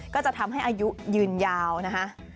ก็จะทำให้อายุยืนยาวนะคะ